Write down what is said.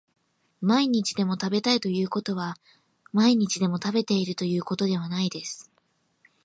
毎日でも食べたいということは毎日でも食べているということではないです